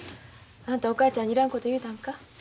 あんたお母ちゃんにいらんこと言うたんか？